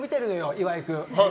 岩井君。